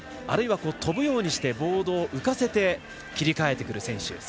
あるいはとぶようにしてボードを浮かせて切り替えてくる選手。